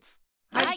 はい。